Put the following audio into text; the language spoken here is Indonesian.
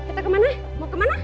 kita kemana mau kemana